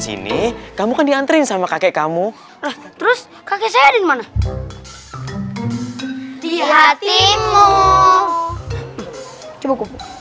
sini kamu kan diantri sama kakek kamu terus kakek saya dimana di hatimu coba